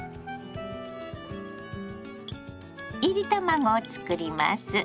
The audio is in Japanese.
いり卵を作ります。